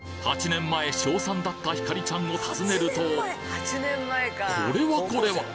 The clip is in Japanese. ８年前小３だったひかりちゃんを訪ねるとこれはこれは！